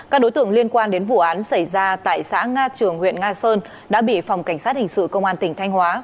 các đối tượng liên quan đến vụ án xảy ra tại xã nga trường huyện nga sơn đã bị phòng cảnh sát hình sự công an tỉnh thanh hóa